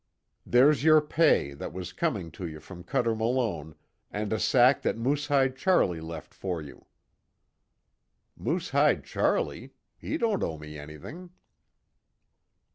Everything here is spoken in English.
"There's your pay that was coming to you from Cuter Malone, and a sack that Moosehide Charlie left for you." "Moosehide Charlie? He don't owe me anything."